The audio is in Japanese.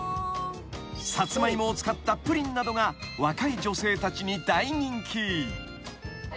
［サツマイモを使ったプリンなどが若い女性たちに大人気］